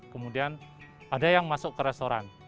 kemudian ada yang masuk ke restoran